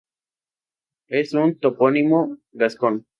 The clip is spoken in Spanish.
Es un topónimo gascón.